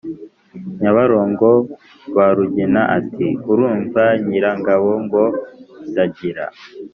Nyabarongo ba Rugina, ati: Urumva Nyirangabo ngo ndagira?